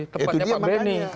tepatnya pak beni